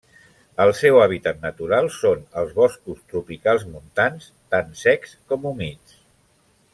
El seu hàbitat natural són els boscos tropicals montans, tant secs com humits.